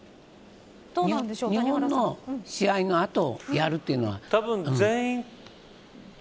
日本の試合の後やるというのは。